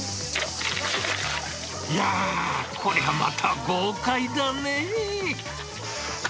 いやぁ、こりゃまた豪快だね。